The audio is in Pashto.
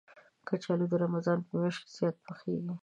کچالو د رمضان په میاشت کې زیات پخېږي